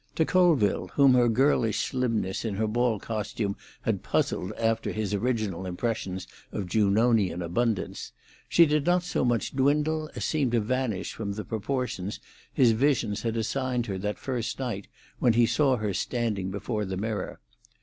To Colville, whom her girlish slimness in her ball costume had puzzled after his original impressions of Junonian abundance, she did not so much dwindle as seem to vanish from the proportions his visions had assigned her that first night when he saw her standing before the mirror.